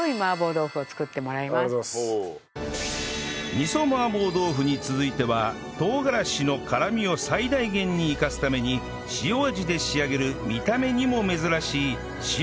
味噌麻婆豆腐に続いては唐辛子の辛みを最大限に生かすために塩味で仕上げる見た目にも珍しい白い麻婆豆腐